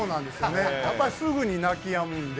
やっぱりすぐに泣きやむんで。